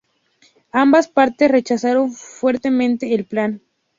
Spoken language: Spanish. Ambas partes rechazaron fuertemente el plan.